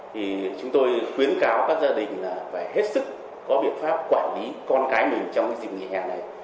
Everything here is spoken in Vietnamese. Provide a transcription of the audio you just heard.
thì chúng tôi khuyến cáo các gia đình là phải hết sức có biện pháp quản lý con cái mình trong cái dịp nghỉ hè này